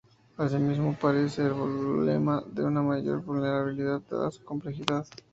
Asimismo aparece el problema de una mayor vulnerabilidad dada su complejidad.